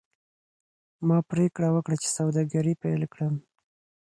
ما پریکړه وکړه چې سوداګري پیل کړم.